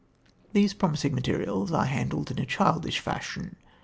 These promising materials are handled in a childish fashion.